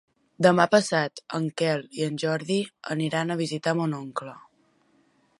Demà passat en Quel i en Jordi aniran a visitar mon oncle.